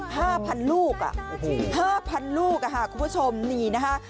เนี่ย๕๐๐๐ลูกอ่ะ๕๐๐๐ลูกอ่ะคุณผู้ชมนี่นะคะ